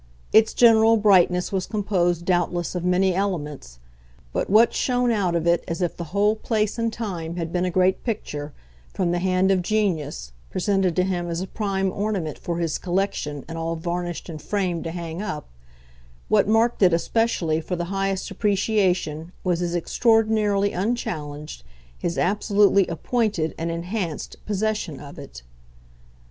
Its general brightness was composed, doubtless, of many elements, but what shone out of it as if the whole place and time had been a great picture, from the hand of genius, presented to him as a prime ornament for his collection and all varnished and framed to hang up what marked it especially for the highest appreciation was his extraordinarily unchallenged, his absolutely appointed and enhanced possession of it.